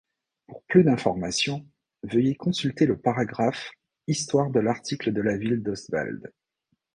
Pour plus d’informations, veuillez consulter le paragraphe Histoire de l'article de la ville d’Ostwald.